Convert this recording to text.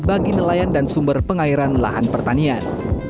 bagi nelayan dan sumber pengairan lahan pertanian